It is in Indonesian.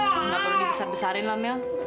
kamu gak perlu dibesar besarin lah mil